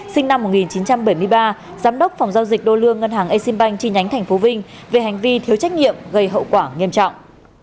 sinh năm một nghìn chín trăm bảy mươi ba giám đốc phòng giao dịch đô lương ngân hàng exim bank chi nhánh tp vinh về hành vi thiếu trách nhiệm gây hậu quả nghiêm trọng